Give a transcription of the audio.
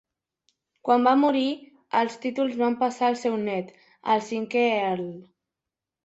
Quan va morir, els títols van passar al seu nét, el cinquè Earl.